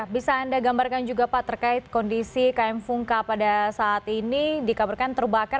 bisa anda gambarkan juga pak terkait kondisi km fungka pada saat ini dikabarkan terbakar